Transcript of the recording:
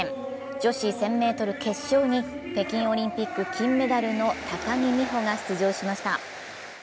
女子１０００ｍ決勝に北京オリンピック金メダルの高木美帆が出場しました。